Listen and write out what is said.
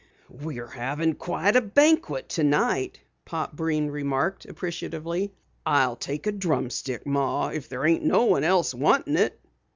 "We're having quite a banquet tonight," Pop Breen remarked appreciatively. "I'll take a drumstick, Ma, if there ain't no one else wantin' it."